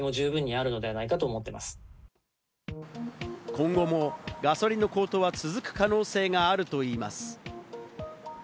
今後もガソリンの高騰は続く可能性があるといいます。